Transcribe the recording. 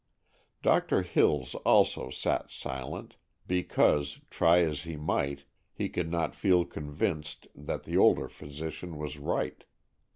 Doctor Hills also sat silent, because, try as he might, he could not feel convinced that the older physician was right.